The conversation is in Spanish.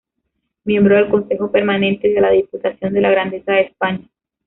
Miembro del Consejo Permanente de la Diputación de la Grandeza de España.